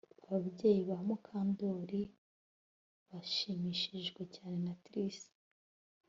Ababyeyi ba Mukandoli bashimishijwe cyane na Trix